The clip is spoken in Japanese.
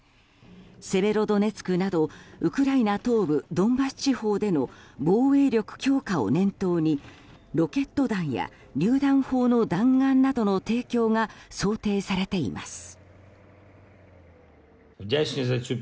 セベロドネツクなどウクライナ東部ドンバス地方での防衛力強化を念頭にロケット弾やりゅう弾砲の弾丸などの提供が想定されています。